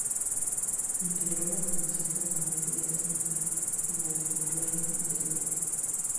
Integró la Comisión Permanente de Hacienda; y la de Gobierno Interior.